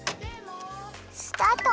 スタート！